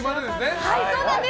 そうなんです。